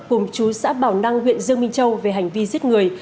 cùng chú xã bảo năng huyện dương minh châu về hành vi giết người